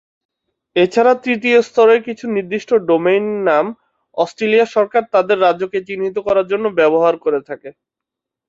এছাড়া তৃতীয় স্তরের কিছু নির্দিষ্ট ডোমেইন নাম অস্ট্রেলিয়ার সরকার তাদের রাজ্যকে চিহ্নিত করার জন্য ব্যবহার করে থাকে।